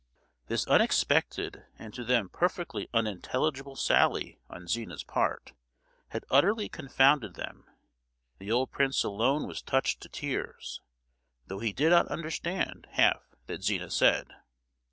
This unexpected, and to them perfectly unintelligible sally on Zina's part had utterly confounded them. The old prince alone was touched to tears, though he did not understand half that Zina said.